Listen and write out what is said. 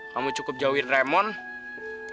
kamu cukup jauhin raymond